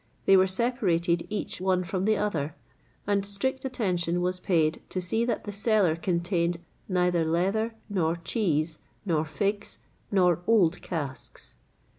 They were separated each one from another, and strict attention was paid to see that the cellar contained neither leather, nor cheese, nor figs, nor old casks.